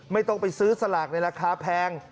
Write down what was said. ไม่ต้องไปซื้อสลากในราคาแพง